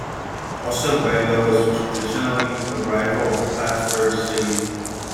Oswego is traditionally a rival of Plattsburgh State.